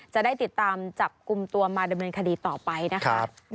จะได้ติดตามจับกลุ่มตัวมาดำเนินคดีต่อไปนะคะ